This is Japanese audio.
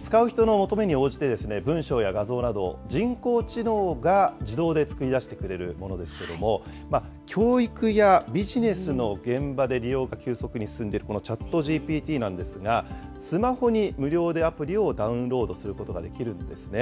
使う人の求めに応じてですね、文章や画像など、人工知能が自動で作り出してくれるものですけれども、教育やビジネスの現場で利用が急速に進んでいるこのチャットＧＰＴなんですが、スマホに無料でアプリをダウンロードすることができるんですね。